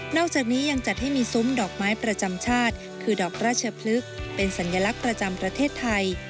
อกจากนี้ยังจัดให้มีซุ้มดอกไม้ประจำชาติคือดอกราชพลึกเป็นสัญลักษณ์ประจำประเทศไทย